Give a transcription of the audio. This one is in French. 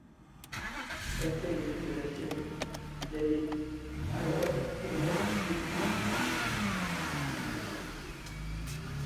D'après les dits de la série, il avait alors pour mode véhicule une moto.